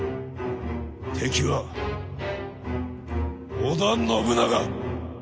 敵は織田信長！